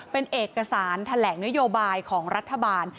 เป็นเอกสารแถลงนโยบายของรัฐบาล